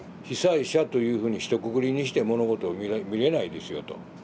「被災者」というふうにひとくくりにして物事を見れないですよと。